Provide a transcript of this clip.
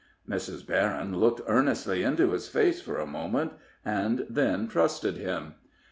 Mrs. Berryn looked earnestly into his face for a moment, and then trusted him.